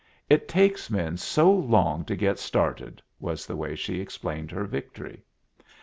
"It takes men so long to get started," was the way she explained her victory.